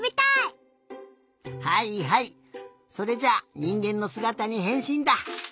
はいはいそれじゃあにんげんのすがたにへんしんだ！